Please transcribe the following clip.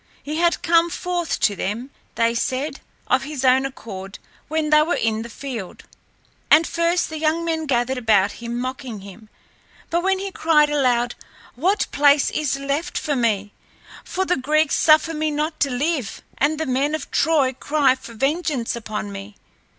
He had come forth to them, they said, of his own accord when they were in the field. And first the young men gathered about him mocking him, but when he cried aloud, "What place is left for me, for the Greeks suffer me not to live and the men of Troy cry for vengeance upon me?"